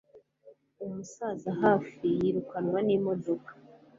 Umusaza hafi yirukanwa n'imodoka